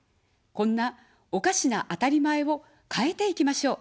こんなおかしなあたりまえを変えていきましょう。